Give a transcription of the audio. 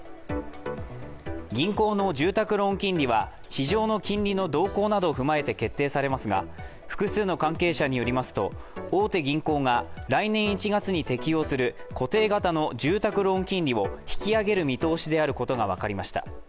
銀行の住宅ローン金利は市場の金利の動向などを踏まえて決定されますが複数の関係者によりますと大手銀行が来年１月に適用する固定型の住宅型ローン金利を引き上げる見通しであることが分かりました。